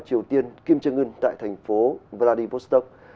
chiều tiên kim jong un tại thành phố vladivostok